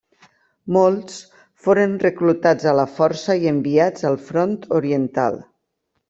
Molts foren reclutats a la força i enviats al Front Oriental.